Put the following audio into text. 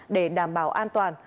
để đảm bảo an toàn